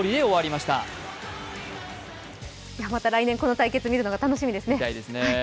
また来年、この対決を見るのが楽しみですね。